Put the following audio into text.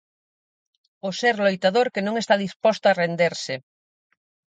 O ser loitador que non está disposto a renderse.